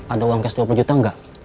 ada uang cash dua puluh juta nggak